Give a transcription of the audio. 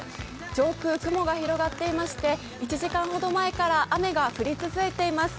上空、雲が広がっていまして１時間ほど前から雨が降り続いています。